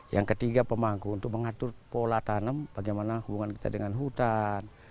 yang ketiga pemangku untuk mengatur pola tanam bagaimana hubungan kita dengan hutan